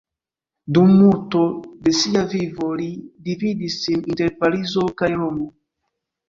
Dum multo de sia vivo li dividis sin inter Parizo kaj Romo.